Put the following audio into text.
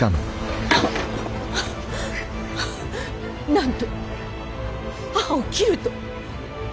なんと母を斬ると。